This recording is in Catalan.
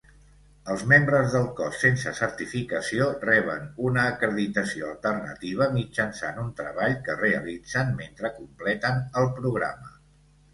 Els membres del cos sense certificació reben una acreditació alternativa mitjançant un treball que realitzen mentre completen el programa.